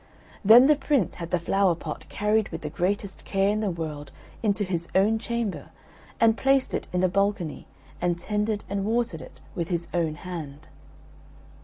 Then the Prince had the flower pot carried with the greatest care in the world into his own chamber, and placed it in a balcony, and tended and watered it with his own hand.